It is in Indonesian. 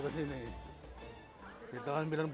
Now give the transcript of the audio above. kesini hampir tiap tahun saya kesini